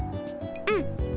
うん！